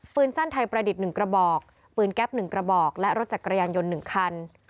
สั้นไทยประดิษฐ์๑กระบอกปืนแก๊ป๑กระบอกและรถจักรยานยนต์๑คัน